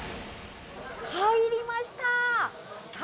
入りました。